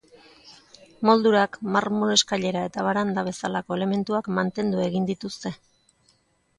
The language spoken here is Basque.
Moldurak, marmol eskailera eta baranda bezalako elementuak mantendu egin dituzte.